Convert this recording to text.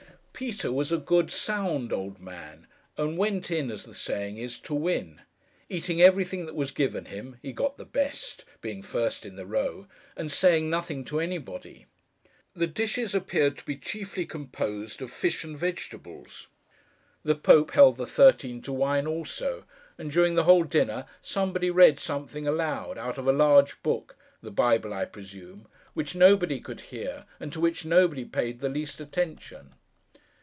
Peter was a good, sound, old man, and went in, as the saying is, 'to win;' eating everything that was given him (he got the best: being first in the row) and saying nothing to anybody. The dishes appeared to be chiefly composed of fish and vegetables. The Pope helped the Thirteen to wine also; and, during the whole dinner, somebody read something aloud, out of a large book—the Bible, I presume—which nobody could hear, and to which nobody paid the least attention.